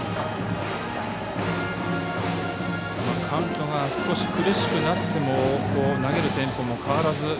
カウントが少し苦しくなっても投げるテンポも変わらず。